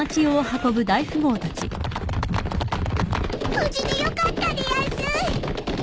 無事でよかったでやんす。